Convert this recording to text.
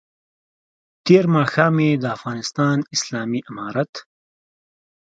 تېر ماښام یې د افغانستان اسلامي امارت